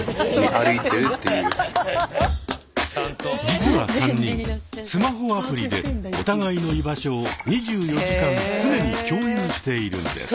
実は３人スマホアプリでお互いの居場所を２４時間常に共有しているんです。